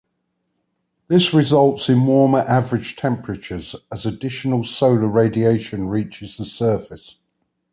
This results in warmer average temperatures, as additional solar radiation reaches the surface.